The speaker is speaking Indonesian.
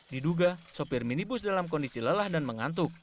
diduga sopir minibus dalam kondisi lelah dan mengantuk